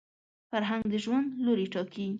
فرهنګ د ژوند لوري ټاکي